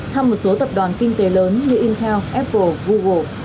thăm một số tập đoàn kinh tế lớn như intel apple google